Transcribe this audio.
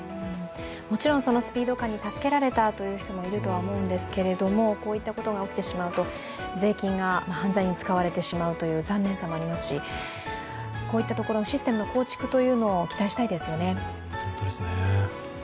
もちろんそのスピード感に助けられたという人もいると思うんですけどこういったことが起きてしまうと税金が犯罪に使われてしまうという残念さもありますし、こういったところのシステムの構築というのを期待したいですよね。